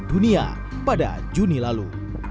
dunia pada juni lalu